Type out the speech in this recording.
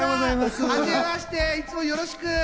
はじめまして、いつもよろしく。